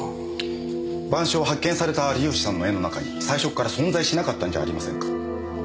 『晩鐘』は発見された有吉さんの絵の中に最初から存在しなかったんじゃありませんか？